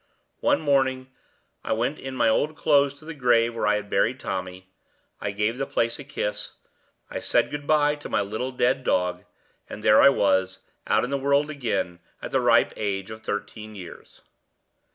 One morning I went in my old clothes to the grave where I had buried Tommy. I gave the place a kiss; I said good by to my little dead dog; and there I was, out in the world again, at the ripe age of thirteen years!"